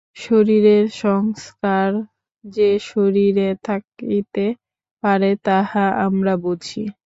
শরীরের সংস্কার যে শরীরে থাকিতে পারে, তাহা আমরা বুঝি।